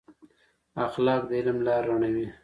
اخلاق د علم لار رڼوي.